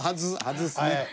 外すね。